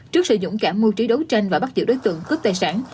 trước sử dụng cả mưu trí đấu tranh và bắt giữ đối tượng cướp tài sản